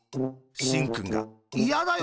しんくんが「いやだよ。